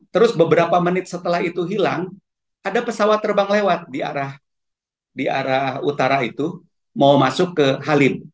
terus beberapa menit setelah itu hilang ada pesawat terbang lewat di arah utara itu mau masuk ke halim